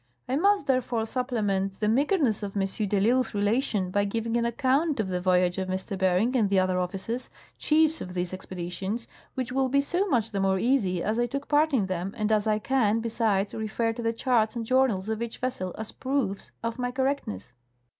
I must therefore supplement the meagreness of M. de I'lsle's rela tion by giving an account of the voyage of M. Bering and the other offi cers, chiefs of these expeditions, which will be so much the more easy as I took part in them and as I can, besides, refer to the charts and journals of each vessel as proofs of my correctness.